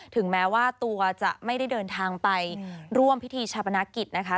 ถึงแม้ว่าตัวจะไม่ได้เดินทางไปร่วมพิธีชาปนกิจนะคะ